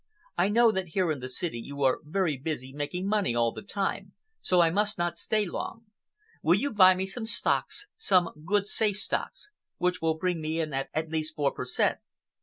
"I know that here in the city you are very busy making money all the time, so I must not stay long. Will you buy me some stocks,—some good safe stocks, which will bring me in at least four per cent?"